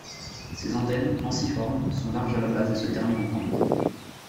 Ses antennes, ensiformes, sont larges à la base et se terminent en pointe.